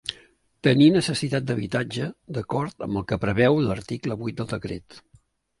Tenir necessitat d'habitatge, d'acord amb el que preveu l'article vuit del Decret.